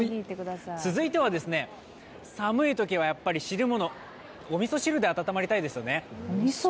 続いては寒いときはやっぱり汁物おみそ汁で温まりたいですよね。